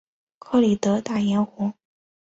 杰里德大盐湖。